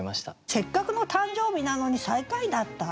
せっかくの誕生日なのに最下位だった。